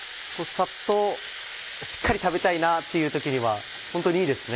サッとしっかり食べたいなっていう時にはホントにいいですね。